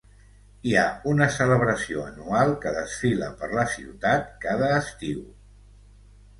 Hi ha una celebració anual que desfila per la ciutat cada estiu.